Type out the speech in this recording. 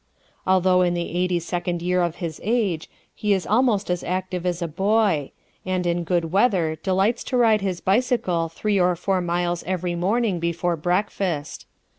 Although in the eighty second year of his age, he is almost as active as a boy; and in good weather delights to ride his bicycle three or four miles every morning before breakfast.